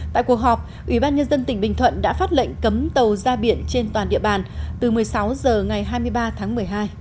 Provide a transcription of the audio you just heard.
tại cuộc họp ủy ban nhân dân tỉnh bình thuận đã phát lệnh cấm tàu ra biển trên toàn địa bàn từ một mươi sáu h ngày hai mươi ba tháng một mươi hai